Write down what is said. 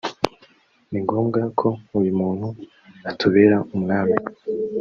ni ngombwa ko uyu muntu atubera umwami